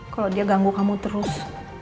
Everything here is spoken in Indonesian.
kalau dia ganggu kamu terus